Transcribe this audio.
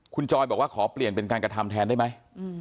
คุณจอยบอกว่าขอเปลี่ยนเป็นการกระทำแทนได้ไหม